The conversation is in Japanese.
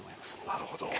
なるほど。